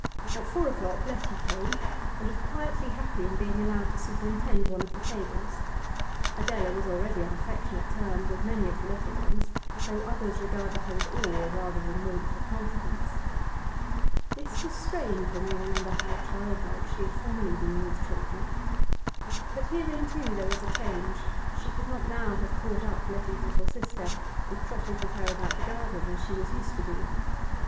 At four o'clock Letty came, and was quietly happy in being allowed to superintend one of the tables. Adela was already on affectionate terms with many of the little ones, though others regarded her with awe rather than warmth of confidence. This was strange, when we remember how childlike she had formerly been with children. But herein, too, there was a change; she could not now have caught up Letty's little sister and trotted with her about the garden as she was used to do.